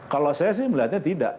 kalau saya sih melihatnya tidak